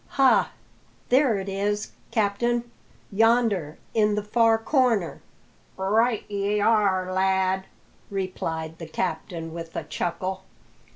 "Ha! there it is, captain; yonder, in the far corner." "Right ye are, lad," replied the captain with a chuckle.